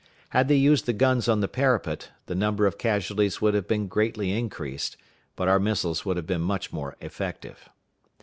Had they used the guns on the parapet, the number of casualties would have been greatly increased, but our missiles would have been much more effective.